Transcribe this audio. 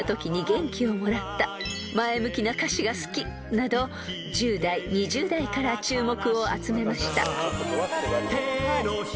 ［など１０代２０代から注目を集めました］